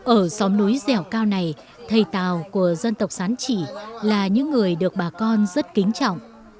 ở xóm núi dẻo cao này thầy tào của dân tộc sán chỉ là những người được bà con rất kính trọng